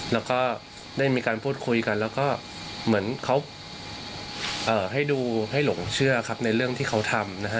แล้วก็ได้มีการพูดคุยกันแล้วก็เหมือนเขาให้ดูให้หลงเชื่อครับในเรื่องที่เขาทำนะฮะ